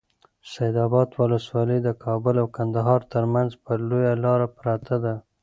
سید اباد ولسوالي د کابل او کندهار ترمنځ پر لویه لاره پرته ده.